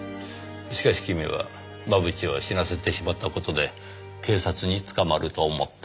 しかし君は真渕を死なせてしまった事で警察に捕まると思った。